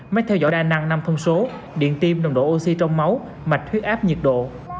máy theo dõi đa năng năm thông số điện tim nồng độ oxy trong máu mạch huyết áp nhiệt độ